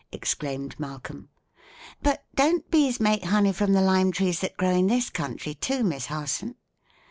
exclaimed Malcolm. "But don't bees make honey from the lime trees that grow in this country, too, Miss Harson?"